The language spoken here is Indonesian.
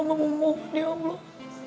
amba memohon ya allah